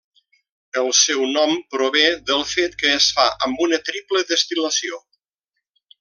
El seu nom prové del fet que es fa amb una triple destil·lació.